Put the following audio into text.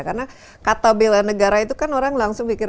karena kata belanegara itu kan orang langsung pikir